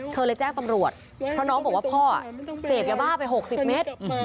เธอเลยแจ้งตำรวจเพราะน้องบอกว่าพ่อเสพยาบ้าไป๖๐เมตร